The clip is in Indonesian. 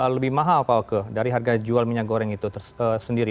lebih mahal pak oke dari harga jual minyak goreng itu sendiri